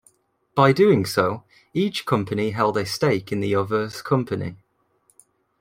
By doing so, each company held a stake in the other's company.